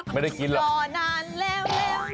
ไม่ได้กินหรอก